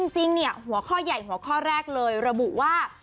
จริงเนี่ยหัวข้อใหญ่หัวข้อแรกเลยระบุว่า